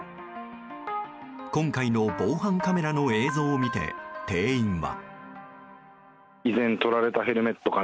今回の防犯カメラの映像を見て店員は。